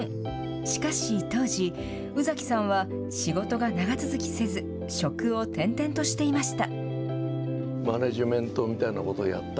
しかし当時、宇崎さんは仕事が長続きせず職を転々としていました。